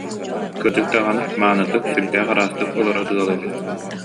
Кырдьык даҕаны, маанытык, сүрдээх ыраастык олорор ыал эбит